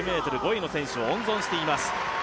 １００ｍ５位の選手を温存しています。